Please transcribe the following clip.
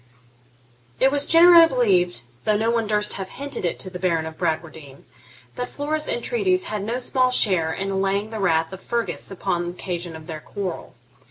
It was generally believed, though no one durst have hinted it to the Baron of Bradwardine, that Flora's entreaties had no small share in allaying the wrath of Fergus upon occasion of their quarrel.